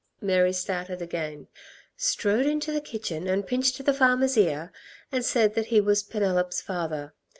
Mary started again: "Strode into the kitchen and pinched the farmer's ear, and said that he was Penelop's father